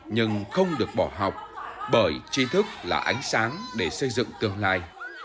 nhưng không được bỏ học bởi chi thức là ánh sáng để xây dựng tương lai